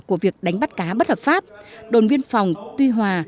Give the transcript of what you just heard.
của việc đánh bắt cá bất hợp pháp đồn biên phòng tuy hòa